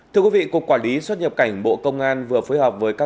thưa quý vị cục quản lý xuất nhập cảnh bộ công an vừa phối hợp với các